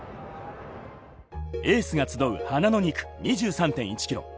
エースが集う花の２区、２３．１ｋｍ。